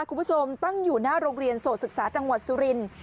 คุณผู้ชมตั้งอยู่หน้าโรงเรียนโสดศึกษาจังหวัดสุรินทร์